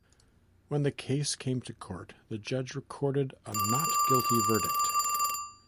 When the case came to court the judge recorded a not guilty verdict.